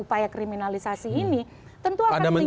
upaya kriminalisasi ini tentu akan menjadi